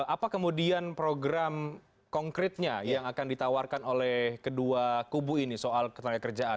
apa kemudian program konkretnya yang akan ditawarkan oleh kedua kubu ini soal ketenagakerjaan